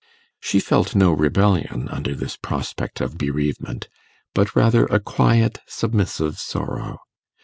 She felt no rebellion under this prospect of bereavement, but rather a quiet submissive sorrow.